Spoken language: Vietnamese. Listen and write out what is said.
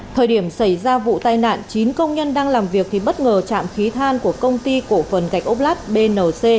thời điểm xảy ra vụ tai nạn chín công nhân đang làm việc thì bất ngờ trạm khí than của công ty cổ phần gạch ốc lát bnc